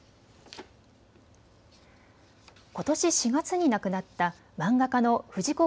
ことし４月に亡くなった漫画家の藤子